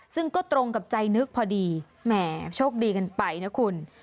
ซึ่งก็ตรงกับใจนึกพอดีแหมโชคดีกันไปนะคุณ